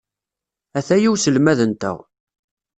Ataya uselmad-nteɣ.